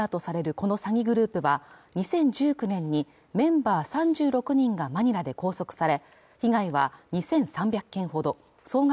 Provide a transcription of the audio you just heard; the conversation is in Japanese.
この詐欺グループは２０１９年にメンバー３６人がマニラで拘束され被害は２３００件ほど総額